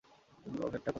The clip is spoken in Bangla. আপনার ক্ষেতটা কোথায়?